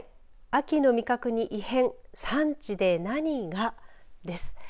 秋の味覚に異変産地で何が？です。